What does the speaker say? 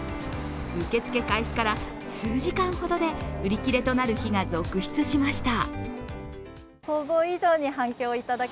受付開始から数時間ほどで売り切れとなる日が続出しました。